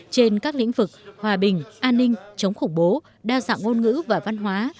trên các lĩnh vực hòa bình an ninh chống khủng bố đa dạng ngôn ngữ và văn hóa